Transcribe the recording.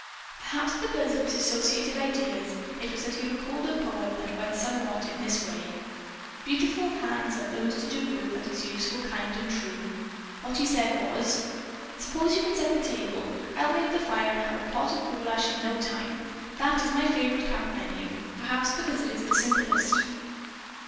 Perhaps because of associated ideas it was that he recalled a poem that went somewhat in this way: "Beautiful hands are those that do work that is useful, kind and true." What he said was: "Suppose you set the table. I'll make the fire and have a pot of goulash in no time. That is my favorite camp menu, perhaps because it is the simplest."